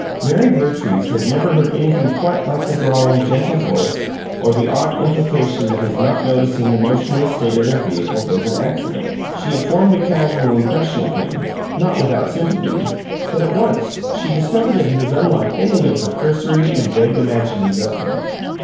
Mary Vertrees had never heard anything quite like the drawling, gentle voice or the odd implication that his not noticing the motionless state of their vehicle was an "accident." She had formed a casual impression of him, not without sympathy, but at once she discovered that he was unlike any of her cursory and vague imaginings of him.